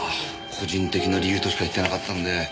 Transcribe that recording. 個人的な理由としか言ってなかったんで。